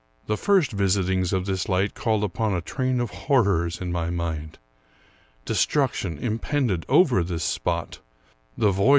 The first visitings of this light called up a train of horrors in mv mind ; destruction impended over this spot ; the voice v.